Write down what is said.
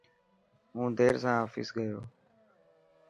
هون دير سان آفيس گيو.